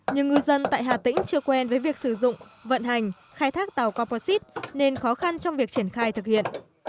nhưng ngư dân tại hà tĩnh chưa quen với việc sử dụng vận hành khai thác tàu coposite nên khó khăn trong việc triển khai thực hiện